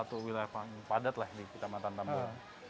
atau wilayah padat lah di kecamatan tambor